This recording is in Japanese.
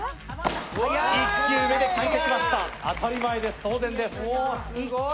１球目で決めてきました、当たり前です、当然です。